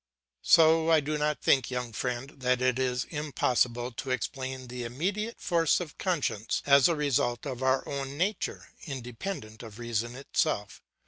So I do not think, my young friend, that it is impossible to explain the immediate force of conscience as a result of our own nature, independent of reason itself.